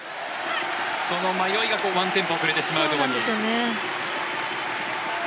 その迷いがワンテンポ遅れてしまうという。